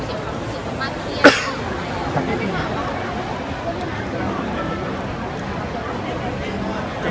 ช่องความหล่อของพี่ต้องการอันนี้นะครับ